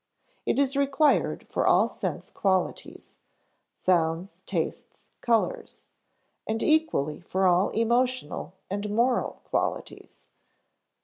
It is required for all sense qualities sounds, tastes, colors and equally for all emotional and moral qualities.